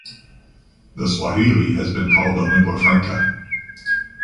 The Swahili has been called a lingua franca.